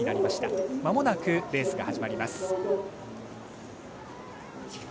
まもなくレースが始まります。